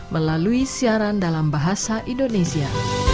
melalui siaran dalam bahasa indonesia